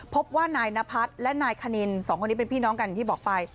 พบว่านายนพัทรและนายคณิน๒คนนี้เป็นพี่น้องกันที่บอกไป